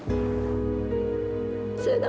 saya udah gak kuat